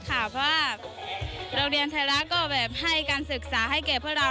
เพราะว่าโรงเรียนไทยรัฐก็แบบให้การศึกษาให้แก่พวกเรา